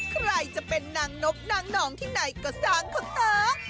ใครจะเป็นนางนกนางนองที่ไหนก็สางขนาด